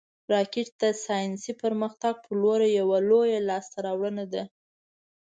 راکټ د ساینسي پرمختګ پر لور یوه لویه لاسته راوړنه ده